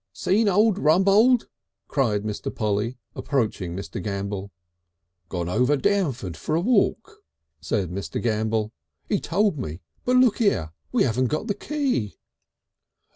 "Seen old Rumbold?" cried Mr. Polly, approaching Mr. Gambell. "Gone over Downford for a walk," said Mr. Gambell. "He told me! But look 'ere! We 'aven't got the key!"